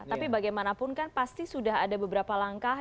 tapi bagaimanapun kan pasti sudah ada beberapa langkah